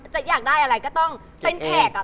อยากได้อะไรก็ต้องเป็นแขกอะ